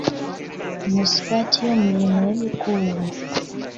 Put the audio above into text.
Mu ssikaati yo mulimu ebikuubo?